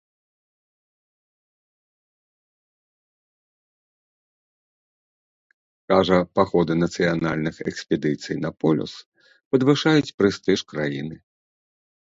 Кажа, паходы нацыянальных экспедыцый на полюс падвышаюць прэстыж краіны.